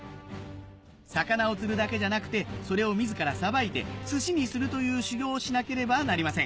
魚を釣るだけじゃなくてそれを自らさばいて寿司にするという修業をしなければなりません